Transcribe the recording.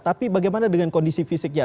tapi bagaimana dengan kondisi fisiknya